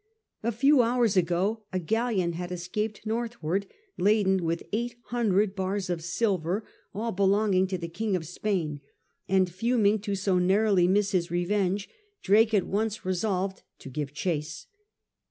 A few hours ago a galleon had escaped northward, laden with eight hundred bars of silver, all belonging to the King of Spain, and fuming to so narrowly miss his revenge, Drake at once resolved Ti RAID ON" CALLAO DE LIMA 8i to give chase.